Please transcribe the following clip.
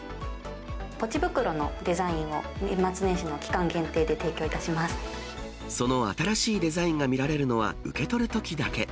ポチ袋のデザインを、年末年その新しいデザインが見られるのは、受け取るときだけ。